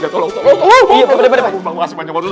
makasih banyak pak ustadz